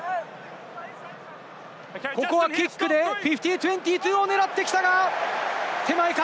ここはキックで５０：２２を狙ってきたが、手前か？